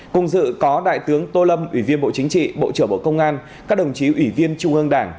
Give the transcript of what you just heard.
cùng dự có đại tướng tô lâm ủy viên bộ chính trị bộ trưởng bộ công an các đồng chí ủy viên trung ương đảng